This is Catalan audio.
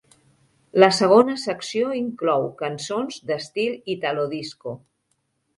La segona secció inclou cançons d'estil Italo disco.